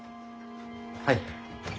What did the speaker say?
はい。